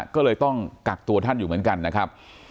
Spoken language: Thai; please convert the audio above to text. ก็เลยต้องกักตัวท่านอยู่เหมือนกันนะครับ